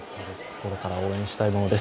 心から応援したいものです。